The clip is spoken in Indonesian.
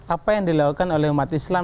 apa yang dilakukan oleh umat islam